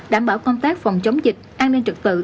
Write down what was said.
đảm bảo công tác phòng chống dịch an ninh trực tự